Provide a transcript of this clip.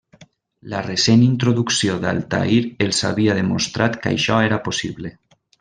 La recent introducció d'Altair els havia demostrat que això era possible.